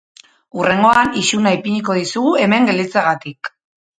Hurrengoan isuna ipiniko dizugu hemen gelditzeagatik.